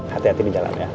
hati hati di jalan ya